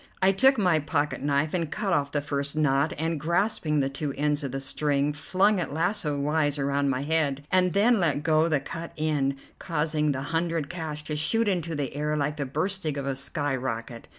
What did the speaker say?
I took my pocket knife and cut off the first knot, and, grasping the two ends of the string, flung it lasso wise around my head, and then let go the cut end, causing the hundred cash to shoot into the air like the bursting of a sky rocket.